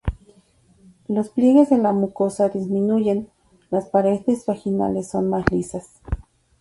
Los pliegues de la mucosa disminuyen: las paredes vaginales son más lisas.